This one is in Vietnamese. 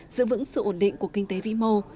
giữ vững sự ổn định của kinh tế vĩ mô